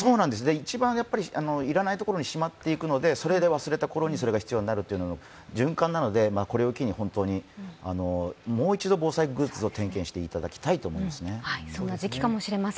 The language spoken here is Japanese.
一番要らないところにしまっておくので、それで忘れたころに必要になるという循環なのでこれを機にもう一度防災グッズを点検していただきたいと思います。